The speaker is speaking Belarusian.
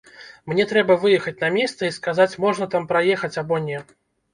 Мне трэба выехаць на месца і сказаць можна там праехаць або не.